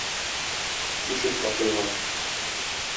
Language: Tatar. Ишек шакыйлар.